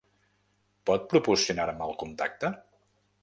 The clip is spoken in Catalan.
Pot proporcionar-me el contacte?